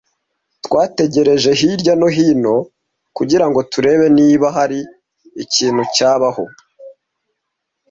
Twategereje hirya no hino kugirango turebe niba hari ikintu cyabaho.